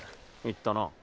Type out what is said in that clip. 言ったな。